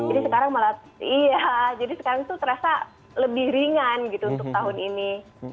jadi sekarang malah iya jadi sekarang itu terasa lebih ringan gitu untuk tahun ini